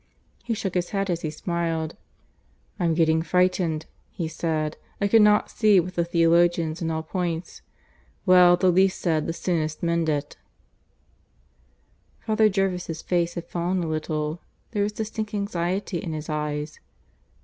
He shook his head as he smiled. "I'm getting frightened," he said. "I cannot see with the theologians in all points. Well, the least said, the soonest mended." Father Jervis' face had fallen a little. There was distinct anxiety in his eyes.